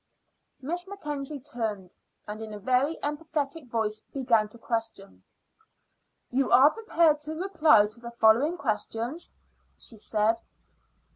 Miss Mackenzie turned, and in a very emphatic voice began to question. "You are prepared to reply to the following questions?" she said.